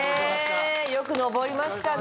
よく上りましたね。